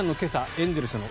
エンゼルスの